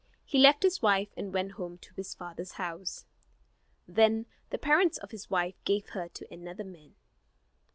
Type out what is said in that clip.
He left his wife and went home to his father's house. Then the parents of his wife gave her to another man.